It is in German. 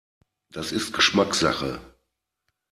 Das ist Geschmackssache.